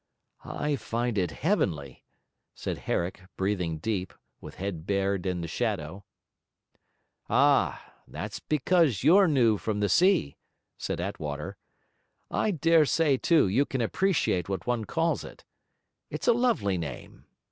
'I find it heavenly,' said Herrick, breathing deep, with head bared in the shadow. 'Ah, that's because you're new from sea,' said Attwater. 'I dare say, too, you can appreciate what one calls it. It's a lovely name.